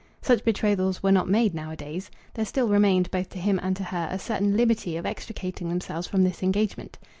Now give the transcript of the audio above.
Such betrothals were not made now a days. There still remained, both to him and to her, a certain liberty of extricating themselves from this engagement.